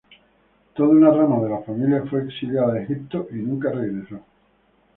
Toda una rama de la familia fue exiliada a Egipto y nunca regresó.